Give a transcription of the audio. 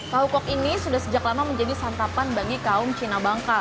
tahu kok ini sudah sejak lama menjadi santapan bagi kaum cina bangka